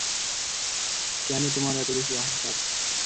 কেন তোমার এত বেশি অহংকার?